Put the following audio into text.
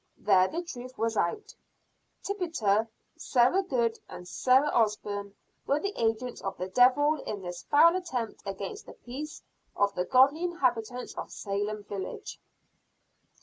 There the truth was out. Tituba, Sarah Good and Sarah Osburn were the agents of the devil in this foul attempt against the peace of the godly inhabitants of Salem village.